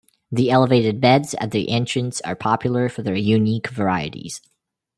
The elevated beds at the entrance are popular for their unique varieties.